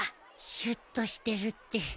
シュッとしてるって。